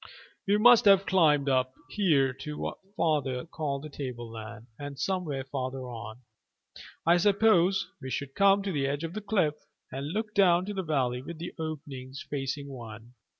"We must have climbed up here to what father called the tableland, and somewhere farther on, I suppose, we should come to the edge of the cliff and look down into the valley with the openings facing one.